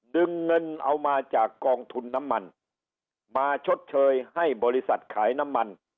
ดึงเงินเอามาจากกองทุนน้ำมันมาชดเชยให้บริษัทขายน้ำมัน